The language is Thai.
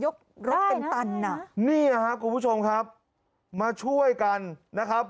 รถเป็นตันอ่ะนี่นะครับคุณผู้ชมครับมาช่วยกันนะครับ